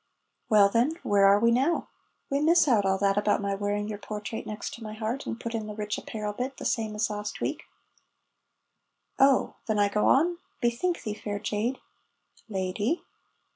("Well, then, where are we now?") ("We miss out all that about my wearing your portrait next my heart, and put in the rich apparel bit, the same as last week.") ("Oh! Then I go on?) Bethink thee, fair jade " ("Lady.")